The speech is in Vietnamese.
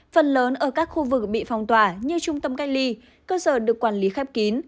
phần lớn ở các khu vực bị phong tỏa như trung tâm cách ly cơ sở được quản lý khép kín